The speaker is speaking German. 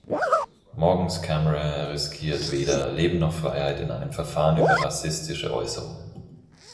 Mogens Camre riskiert weder Leben noch Freiheit in einem Verfahren über rassistische Äußerungen.